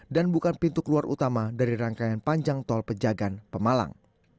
dan bukan pintu keluar utama dari rangkaian panjang tol pejagaan pemalang